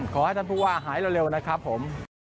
ขอให้ท่านผู้ว่าหายเร็วนะครับผม